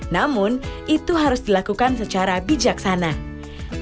namun itu harus dilakukan dengan berhubungan dengan negara